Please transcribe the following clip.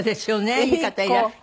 いい方いらして。